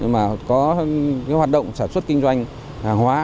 mà có hoạt động sản xuất kinh doanh hàng hóa